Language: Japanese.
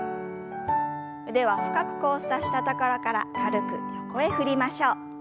腕は深く交差したところから軽く横へ振りましょう。